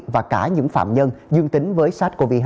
và cả những phạm nhân dương tính với sars cov hai